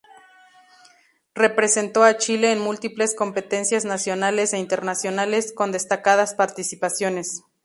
Representó a Chile en múltiples competencias nacionales e internacionales, con destacadas participaciones.